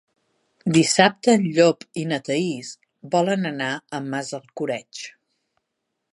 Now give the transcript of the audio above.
Dissabte en Llop i na Thaís volen anar a Massalcoreig.